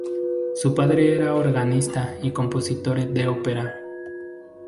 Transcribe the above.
Su padre era organista y compositor de ópera.